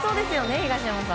東山さん。